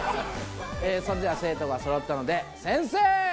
それでは生徒がそろったので先生！